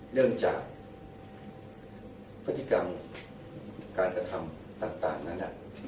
เนื่องจากพฤติกรรมการกระทำต่างนั้น